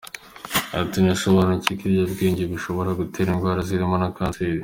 Ati “ Nasobanukiwe ko ibiyobyabwenge bishobora gutera indwara zirimo na cancer.